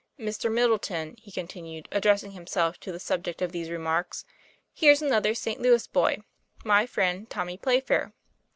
Mr. Middleton," he continued addressing himself to the subject of these remarks, "here's another St. Louis boy, my friend Tommy Playfair.